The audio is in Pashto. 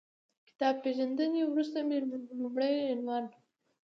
کتاب پېژندنې وروسته مې لومړی عنوان